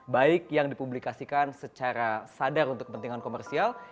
baik yang dipublikasikan secara sadar untuk kepentingan komersial